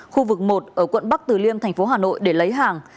thuộc một ở quận bắc từ liêm thành phố hà nội để lấy hàng